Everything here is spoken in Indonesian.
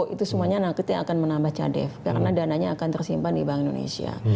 itu semuanya naketnya akan menambah cadef karena dananya akan tersimpan di bank indonesia